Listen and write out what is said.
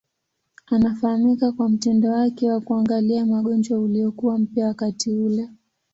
Anafahamika kwa mtindo wake wa kuangalia magonjwa uliokuwa mpya wakati ule.